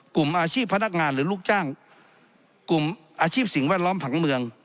กลุ่มอาชีพพนักงานหรือลูกจ้างกลุ่มอาชีพสิ่งแวดล้อมผังเมือง